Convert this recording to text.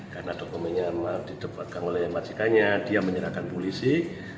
karena dokumennya dipegang oleh majikanya dia menyerahkan polisi